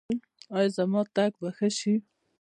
ایا زما تګ به ښه شي؟